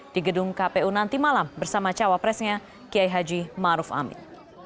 di gedung kpu nanti malam bersama cawapresnya kiai haji maruf amin